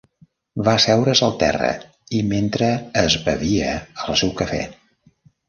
Va asseure's al terra i mentre es bevia el seu cafè.